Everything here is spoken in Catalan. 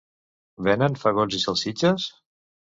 Venen fagots i salsitxes?